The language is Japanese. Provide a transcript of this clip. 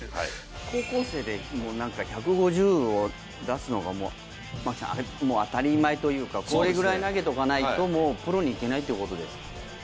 高校生で１５０を出すのが当たり前というかこのぐらい投げておかないとプロにいけないということですか？